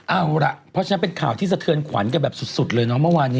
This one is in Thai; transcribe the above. เอาล่ะเพราะฉะนั้นเป็นข่าวที่สะเทือนขวัญกันแบบสุดเลยเนาะเมื่อวานนี้